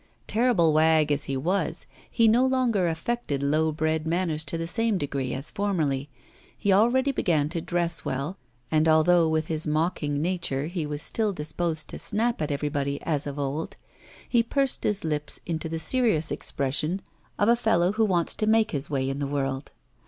Terrible wag as he was, he no longer affected low bred manners to the same degree as formerly; he already began to dress well, and although with his mocking nature he was still disposed to snap at everybody as of old, he pursed his lips into the serious expression of a fellow who wants to make his way in the world.